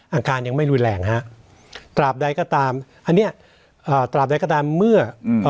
อาการยังไม่รุนแรงฮะตราบใดก็ตามอันเนี้ยอ่าตราบใดก็ตามเมื่อ